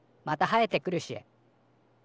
また生えてくるし。